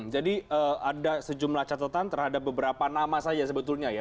jadi ada sejumlah catatan terhadap beberapa nama saja sebetulnya ya